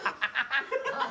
ハハハハ！